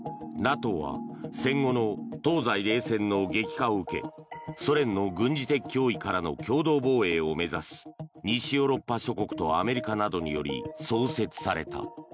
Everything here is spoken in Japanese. ＮＡＴＯは戦後の東西冷戦の激化を受けソ連の軍事的脅威からの共同防衛を目指し西ヨーロッパ諸国とアメリカなどにより創設された。